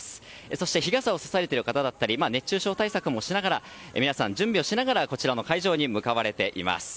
そして、日傘をさされている方だったり熱中症対策もしながら皆さん、準備をしながらこちらの会場に向かわれています。